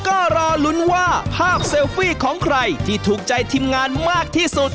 ก็รอลุ้นว่าภาพเซลฟี่ของใครที่ถูกใจทีมงานมากที่สุด